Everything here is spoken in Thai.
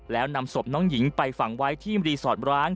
แล้วนำศพน้องหญิงไปฝังไว้ที่รีสอร์ทร้าง